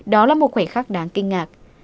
đó là một khoảnh khắc đáng kinh ngạc